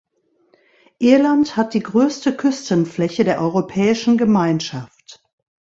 Irland hat die größte Küstenfläche der europäischen Gemeinschaft.